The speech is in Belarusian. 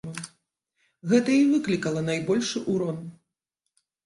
Гэта і выклікала найбольшы ўрон.